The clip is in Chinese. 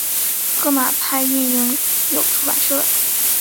革马派运营有出版社。